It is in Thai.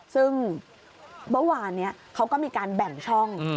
ซึ่งเมื่อวานนี้เขาก็มีการแบ่งช่อง